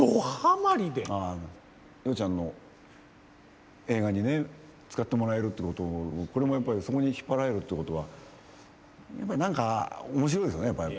洋ちゃんの映画にね使ってもらえるってことこれもやっぱりそこに引っ張られるってことは何か面白いですねやっぱり。